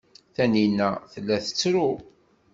Taninna tella tettru.